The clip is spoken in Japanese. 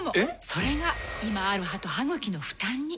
それが今ある歯と歯ぐきの負担に。